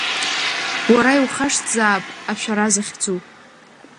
Уара иухашҭзаап ашәара захьӡу.